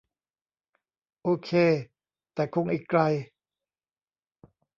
โอเค แต่คงอีกไกล